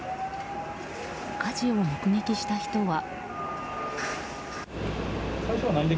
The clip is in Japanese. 火事を目撃した人は。